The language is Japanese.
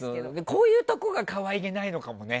こういうところが可愛げないのかもね